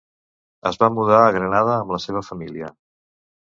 Es va mudar a Granada amb la seva família.